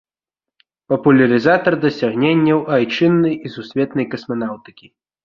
Папулярызатар дасягненняў айчыннай і сусветнай касманаўтыкі.